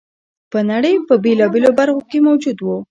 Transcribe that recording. په نړۍ په بېلابېلو برخو کې موجود و